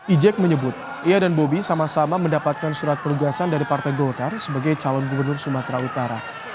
ijek menyebut ia dan bobi sama sama mendapatkan surat perugasan dari partai golkar sebagai calon gubernur sumatera utara